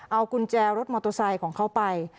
เอากุญแจรถมอเตอร์ไซค์ของเขาไป